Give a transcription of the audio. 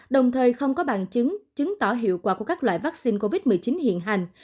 đồng thời không có bằng chứng chứng tỏ hiệu quả của các loại vaccine covid một mươi chín hiện hành